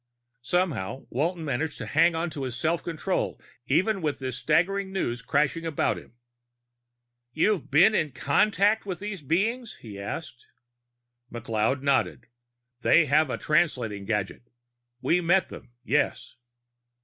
Somehow Walton managed to hang onto his self control, even with this staggering news crashing about him. "You've been in contact with these beings?" he asked. McLeod nodded. "They have a translating gadget. We met them, yes."